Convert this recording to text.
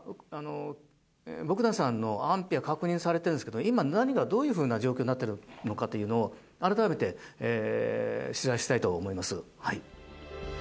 ボグダンさんの安否は確認されているんですけど今、何がどういう状況になっているか改めて取材したいと思います。